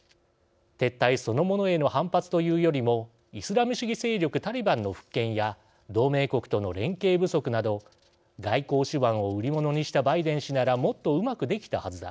撤退そのものへの反発というよりもイスラム主義勢力タリバンの復権や同盟国との連携不足など「外交手腕を売り物にしたバイデン氏ならもっとうまくできたはずだ」